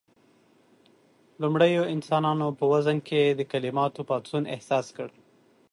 لومړيو انسانانو په وزن کې د کليماتو پاڅون احساس کړ.